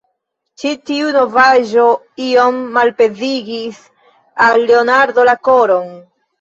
Ĉi tiu novaĵo iom malpezigis al Leonardo la koron.